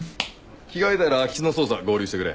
着替えたら空き巣の捜査合流してくれ。